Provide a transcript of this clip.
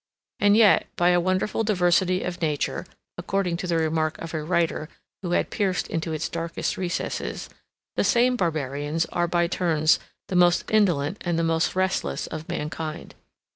And yet, by a wonderful diversity of nature, (according to the remark of a writer who had pierced into its darkest recesses,) the same barbarians are by turns the most indolent and the most restless of mankind.